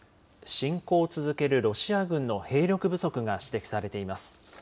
侵攻を続けるロシア軍の兵力不足が指摘されています。